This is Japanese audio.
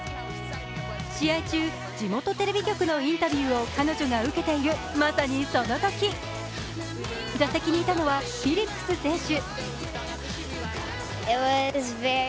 試合中、地元テレビ局のインタビューを彼女が受けているまさにその時、打席にいたのはフィリップス選手。